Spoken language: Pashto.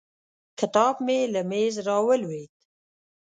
کتاب مې له مېز راولوېد.